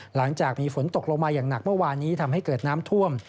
หลังจากมีฝนตกลงมาอย่างหนักเมื่อวานนี้ทำให้เกิดน้ำท่วม